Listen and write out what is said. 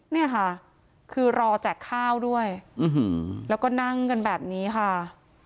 เนี่ยค่ะคือรอแจกข้าวด้วยแล้วก็นั่งกันแบบนี้ค่ะ